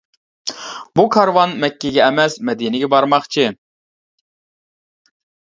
بۇ كارۋان مەككىگە ئەمەس مەدىنىگە بارماقچى.